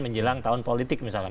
menjelang tahun politik misalkan